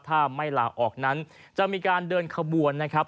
ถ้าไม่ลาออกนั้นจะมีการเดินขบวนนะครับ